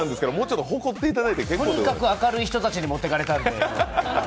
とにかく明るい人たちに持ってかれたんで。